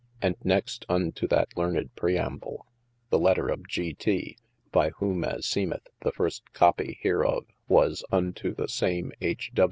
And nexte unto that learned preamble, the letter of .G. T. (by whome as seemeth, the first coppie hereof was unto the same .H.